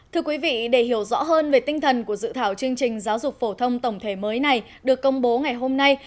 thưa quý vị để hiểu rõ hơn về tinh thần của dự thảo chương trình giáo dục phổ thông tổng thể mới này được công bố ngày hôm nay